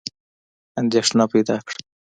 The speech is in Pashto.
اندېښنه پیدا کړه.